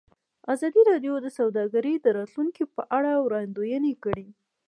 ازادي راډیو د سوداګري د راتلونکې په اړه وړاندوینې کړې.